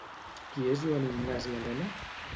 Qui és Joan Ignasi Elena?